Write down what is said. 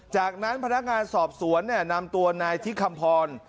จากนั้นพนักงานสอบสวนนำตัวนายที่คำพร